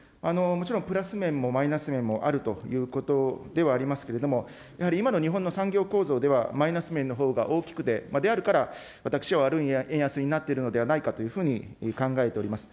もちろん、プラス面もマイナス面もあるということではありますけれども、やはり今の日本産業構造では、マイナス面のほうが大きくて、であるから、私は悪い円安になっているのではないかというふうに考えております。